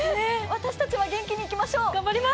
私たちは元気にいきましょう！